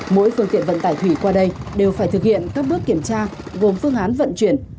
mỗi phương tiện vận tải thủy qua đây đều phải thực hiện các bước kiểm tra gồm phương án vận chuyển